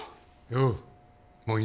よう！